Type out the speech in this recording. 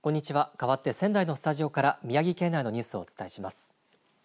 かわって仙台のスタジオから宮城県内のニュースをお伝えします。